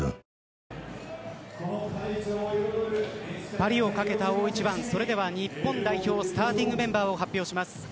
パリをかけた大一番それでは日本代表スターティングメンバーを発表します。